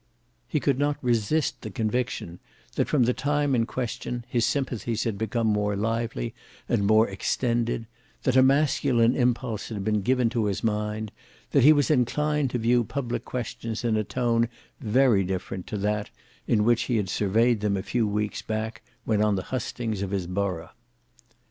He could not resist the conviction that from the time in question, his sympathies had become more lively and more extended; that a masculine impulse had been given to his mind; that he was inclined to view public questions in a tone very different to that in which he had surveyed them a few weeks back, when on the hustings of his borough.